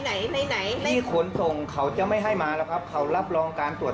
ไหนในไหนไม่ขนส่งเขาจะไม่ให้มาแล้วครับเขารับรองการตรวจ